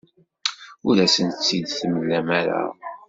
Ur asen-tt-id-temlam ara.